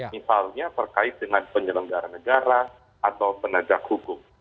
misalnya berkait dengan penyelenggara negara atau penajak hukum